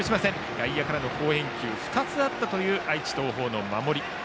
外野からの好返球２つあった愛知・東邦の守り。